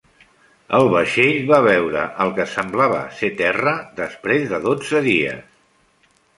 El vaixell va veure el que semblava ser terra després de dotze dies.